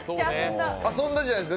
遊んだじゃないですか。